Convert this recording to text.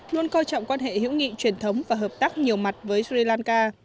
luôn coi trọng quan hệ hữu nghị truyền thống và hợp tác nhiều mặt với sri lanka